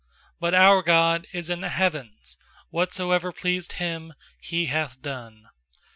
3But our God is in the heavens; Whatsoever pleased Him He hath done.